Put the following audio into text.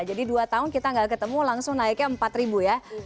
dua tahun kita nggak ketemu langsung naiknya empat ribu ya